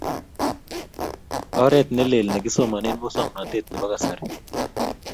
Oret ne lele nikisomane musongnotet nebo kasari